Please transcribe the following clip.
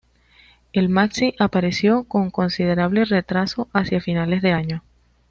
El maxi apareció con considerable retraso, hacia finales de año.